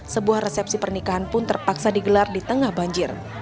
sebuah resepsi pernikahan pun terpaksa digelar di tengah banjir